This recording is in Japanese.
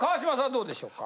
どうでしょうか？